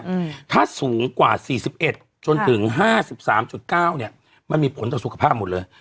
อืมถ้าสูงกว่าสี่สิบเอ็ดจนถึงห้าสิบสามจุดเก้าเนี้ยมันมีผลต่อสุขภาพหมดเลย